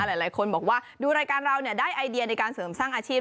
หลายคนบอกว่าดูรายการเราได้ไอเดียในการเสริมสร้างอาชีพ